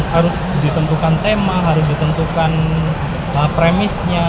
harus ditentukan tema harus ditentukan premisnya